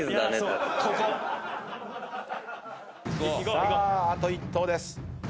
さああと１投です。